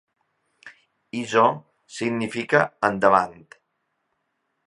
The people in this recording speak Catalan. Iso significa endavant.